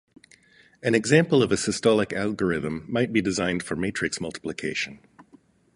An example of a systolic algorithm might be designed for matrix multiplication.